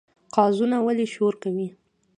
قازونه ولې شور کوي؟